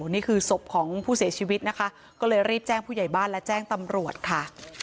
นี่คือศพของผู้เสียชีวิตนะคะก็เลยรีบแจ้งผู้ใหญ่บ้านและแจ้งตำรวจค่ะ